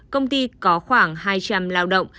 công ty có khoảng hai trăm linh lao động